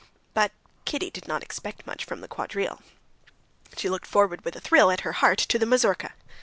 But Kitty did not expect much from the quadrille. She looked forward with a thrill at her heart to the mazurka.